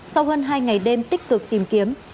sau hơn hai ngày đêm tích cực tìm kiếm